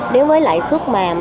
đối với lãi suất mà